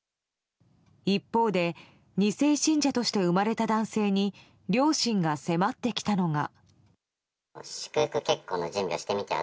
一方で、２世信者として生まれた男性に両親が迫ってきたのが。